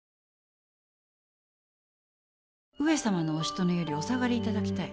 上様のおしとねよりお下がり頂きたい。